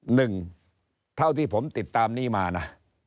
หนึ่งเท่าที่ผมติดตามนี้มานะ